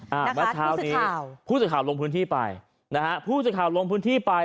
เมื่อเช้านี้ผู้สิทธิ์ข่าวลงพื้นที่ไป